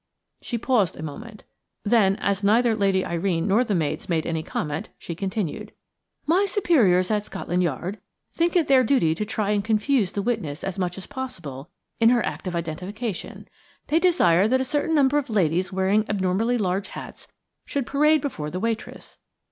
She paused a moment; then, as neither Lady Irene nor the maids made any comment, she continued: "My superiors at Scotland Yard think it their duty to try and confuse the witness as much as possible in her act of identification. They desire that a certain number of ladies wearing abnormally large hats should parade before the waitress.